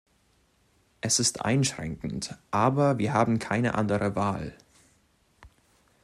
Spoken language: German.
Es ist einschränkend, aber wir haben keine andere Wahl.